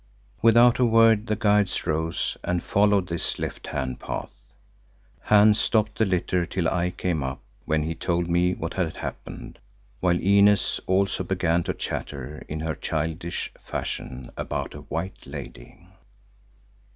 Without a word the guides rose and followed this left hand path. Hans stopped the litter till I came up when he told me what had happened, while Inez also began to chatter in her childish fashion about a "White Lady."